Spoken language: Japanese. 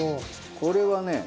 これはね